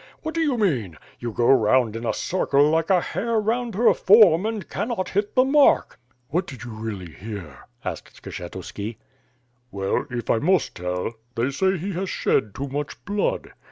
What do you mean? You go round in a circle like a hare round her form and cannot hit the mark. "'VSTiat did you really liear?'' asked Skshetuski. "Well, if I must tell — they say he has shed too much blood.